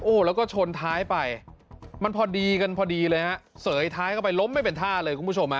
โอ้โหแล้วก็ชนท้ายไปมันพอดีกันพอดีเลยฮะเสยท้ายเข้าไปล้มไม่เป็นท่าเลยคุณผู้ชมฮะ